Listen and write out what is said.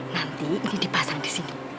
nanti ini dipasang di sini